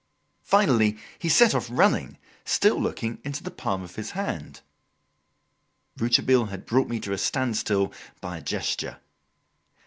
Finally he set off running, still looking into the palm of his hand. Rouletabille had brought me to a standstill by a gesture.